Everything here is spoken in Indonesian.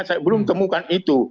saya belum temukan itu